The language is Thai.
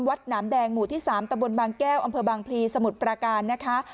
หนามแดงหมู่ที่๓ตะบนบางแก้วอำเภอบางพลีสมุทรปราการนะคะ